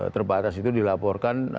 terbatas itu dilaporkan